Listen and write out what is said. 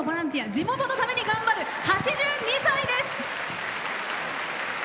地元のために頑張る８２歳です。